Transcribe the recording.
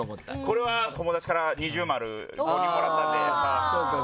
これは友達から二重丸もらったんで。